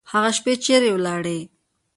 هغه شپې چیري ولاړې؟